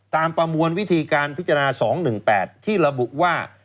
ประมวลวิธีการพิจารณา๒๑๘ที่ระบุว่า